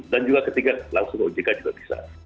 dan juga ketiga langsung ke ojk juga bisa